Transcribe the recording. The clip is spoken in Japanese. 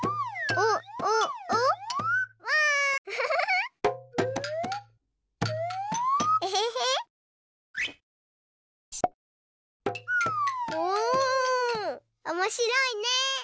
おおおもしろいね！